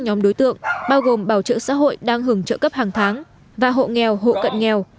nhóm đối tượng bao gồm bảo trợ xã hội đang hưởng trợ cấp hàng tháng và hộ nghèo hộ cận nghèo